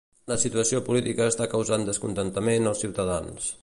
La situació política està causant descontentament als ciutadans.